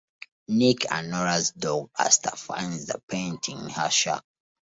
Nick and Nora's dog Asta finds the painting in her shack.